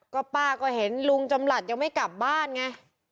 ก็ป้าก็เห็นลุงจำหลัดยังไม่กลับบ้านไง